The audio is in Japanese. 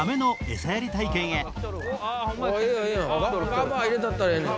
ガッバ入れたったらええねん。